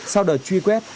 sau đợt truy quét